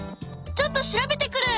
ちょっと調べてくる！